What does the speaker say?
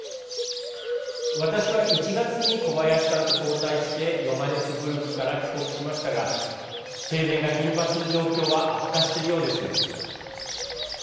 私は１月に小林さんと交代してヨハネスブルクから帰国しましたが停電が頻発する状況は悪化しているようですね？